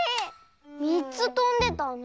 ３つとんでたね。